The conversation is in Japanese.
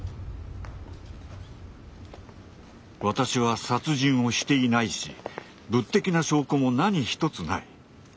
私は殺人をしていないし物的な証拠も何一つない。